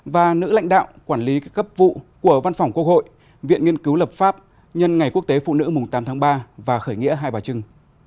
và nữ lãnh đạo quản lý các gấp vụ của văn phòng quốc hội viện nghiên cứu lập pháp nhân ngày quốc tế phụ nữ mùng tám tháng ba và khởi nghĩa hai bà trưng